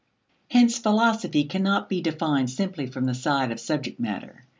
Hence philosophy cannot be defined simply from the side of subject matter.